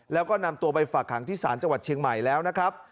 แล้วก็นำตัวไปฝากหางที่ศาลจังหวัดเชียงใหม่แล้วนะครับ